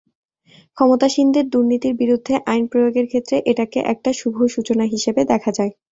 ক্ষমতাসীনদের দুর্নীতির বিরুদ্ধে আইন প্রয়োগের ক্ষেত্রে এটাকে একটা শুভসূচনা হিসেবে দেখা যায়।